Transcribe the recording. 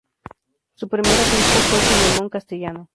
Su primer obispo fue Filemón Castellano.